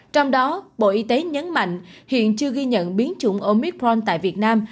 trong đó bộ y tế nhấn mạnh hiện chưa ghi nhận biến chủng omitron tại việt nam